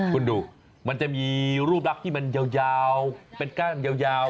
คุณดูมันจะมีรูปลักษณ์ที่มันยาวเป็นก้านยาว